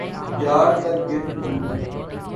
جھاڑ کر گرد غم